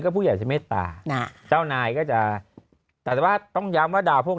ผู้ใหญ่จะเมตตานะฮะเจ้านายก็จะแต่ว่าต้องย้ำว่าดาวพวก